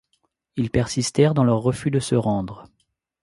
Ils persistèrent dans leur refus de se rendre.